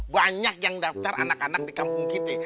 banyak yang daftar anak anak di kampung kita